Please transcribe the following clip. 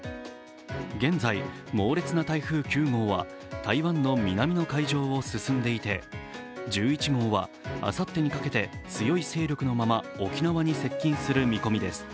現在、猛烈な台風９号は台湾の南の海上を進んでいて１１号は、あさってにかけて強い勢力のまま沖縄に接近する見込みです。